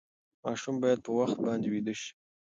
ماشومان باید په وخت باندې ویده شي.